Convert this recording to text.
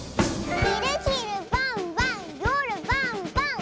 「ひるひるばんばんよるばんばん！」